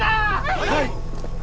はい！